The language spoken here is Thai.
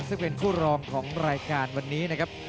ซึ่งเป็นคู่รองของรายการวันนี้นะครับ